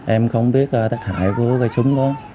em không biết tác hại của cây súng đó